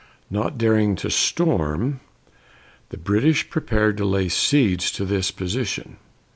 Not daring to storm, the British prepared to lay siege to this position.